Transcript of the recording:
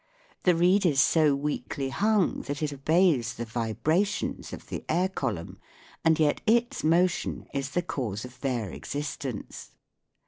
The reed is so weakly hung that it obeys the vibrations of the air column, and yet its motion is the cause of their existence.